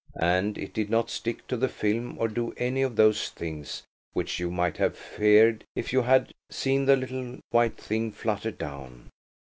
And it did not stick to the film or do any of those things which you might have feared if you had seen the little, white thing flutter down.